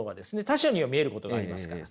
他者には見えることがありますから。